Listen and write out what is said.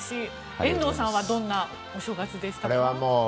遠藤さんはどんなお正月でした？